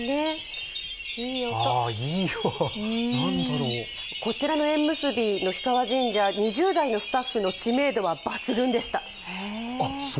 いい、なんだろうこちらの縁結びの氷川神社、２０代のスタッフの知名度は抜群でした。